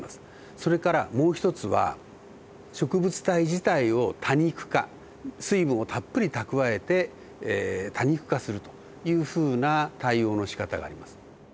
それからもう一つは植物体自体を多肉化水分をたっぷり蓄えて多肉化するというふうな対応のしかたがあります。